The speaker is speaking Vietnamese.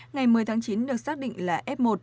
ngày một mươi tháng chín được xác định là f một